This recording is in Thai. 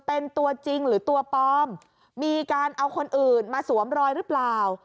เป็นตัวจริงหรือตัวปลอมมีการเอาคนอื่นมาสวมรอยหรือเปล่า